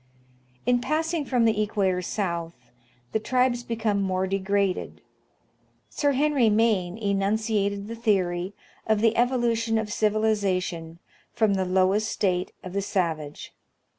In passing from the equator south, the tribes become more de graded. Sir Henry Maine enunciated the theory of the evolution of civilization from the lowest state of the savage.